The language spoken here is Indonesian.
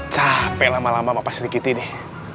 capek lama lama mbak sri kitty nih